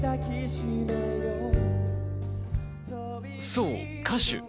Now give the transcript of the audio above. そう、歌手。